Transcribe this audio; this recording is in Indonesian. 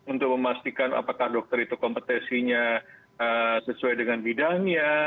untuk memastikan apakah dokter itu kompetensinya sesuai dengan bidangnya